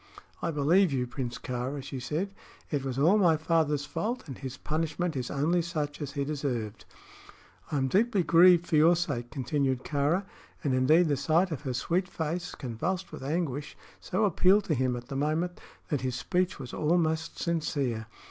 "I believe you, Prince Kāra," she said. "It was all my father's fault, and his punishment is only such as he deserved." "I am deeply grieved for your sake," continued Kāra, and indeed the sight of her sweet face, convulsed with anguish, so appealed to him at the moment that his speech was almost sincere.